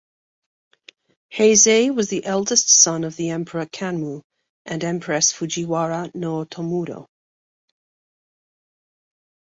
Heizei was the eldest son of the Emperor Kanmu and empress Fujiwara no Otomuro.